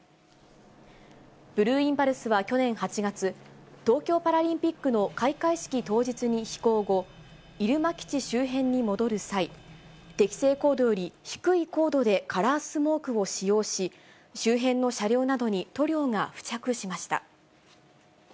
ブルーインパルスは去年８月、東京パラリンピックの開会式当日に飛行後、入間基地周辺に戻る際、適正高度より低い高度で、カラースモークを使用し、周辺の車両などに塗料が付着しました。